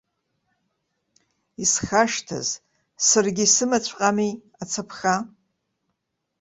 Исхашҭыз, саргьы исымаҵәҟьами ацаԥха.